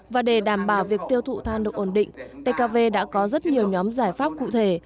và để đảm bảo việc tiêu thụ than được ổn định tkv đã có rất nhiều nhóm giải pháp cụ thể